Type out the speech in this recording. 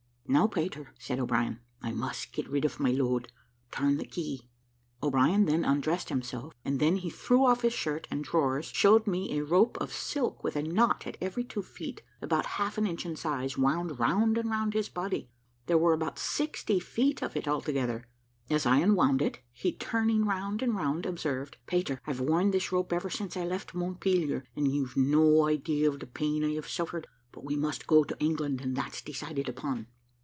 "Now, Peter," said O'Brien, "I must get rid of my load. Turn the key." O'Brien then undressed himself, and then he threw off his shirt and drawers, showed me a rope of silk, with a knot at every two feet, about half an inch in size, wound round and round his body. There were about sixty feet of it altogether. As I unwound it, he, turning round and round, observed, "Peter, I've worn this rope ever since I left Montpelier, and you've no idea of the pain I have suffered; but we must go to England, that's decided upon."